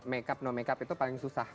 makeup non makeup itu paling susah